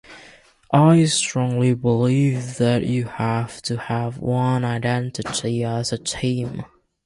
I strongly believe that you have to have one identity as a team.